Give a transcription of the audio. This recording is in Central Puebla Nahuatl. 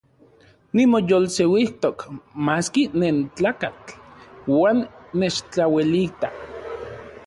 Nimoyolseuijtok maski nentlakatl uan nechtlauelita.